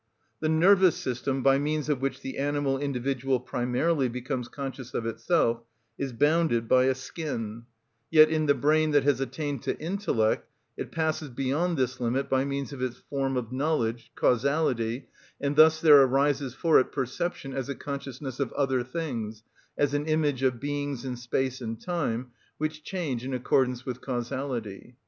The nervous system, by means of which the animal individual primarily becomes conscious of itself, is bounded by a skin; yet in the brain that has attained to intellect it passes beyond this limit by means of its form of knowledge, causality, and thus there arises for it perception as a consciousness of other things, as an image of beings in space and time, which change in accordance with causality.